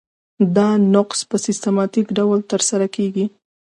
دا نقض په سیستماتیک ډول ترسره کیږي.